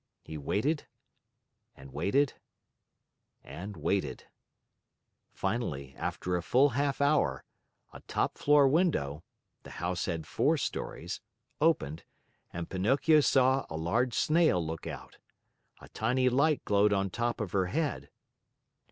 He waited and waited and waited. Finally, after a full half hour, a top floor window (the house had four stories) opened and Pinocchio saw a large Snail look out. A tiny light glowed on top of her head.